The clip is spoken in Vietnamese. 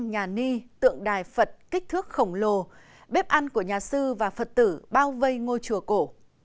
nhà ni tượng đài phật kích thước khổng lồ bếp ăn của nhà sư và phật tử bao vây ngôi chùa cổ